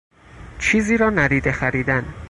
چیزی را ندیده خریدن